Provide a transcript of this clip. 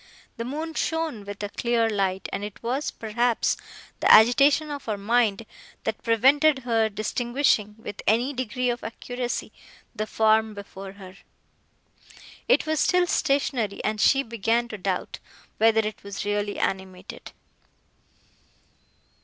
The moon shone with a clear light, and it was, perhaps, the agitation of her mind, that prevented her distinguishing, with any degree of accuracy, the form before her. It was still stationary, and she began to doubt, whether it was really animated.